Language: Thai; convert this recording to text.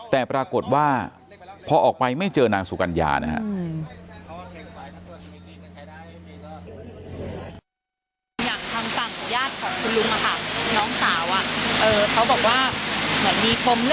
แต่ปรากฏว่าพอออกไปไม่เจอนางสุกัญญานะฮะ